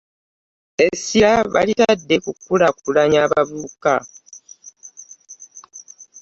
Essira balitadde ku kukulakulanya bavubuka.